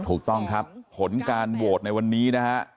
ถูกต้องครับผลการโหวตในวันนี้นะฮะ